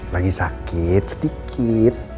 lagi sakit sedikit